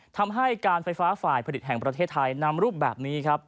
ทำให้การไฟฟ้าฝ่ายผลิตแห่งประเทศไทยนำรูปแบบนี้ครับ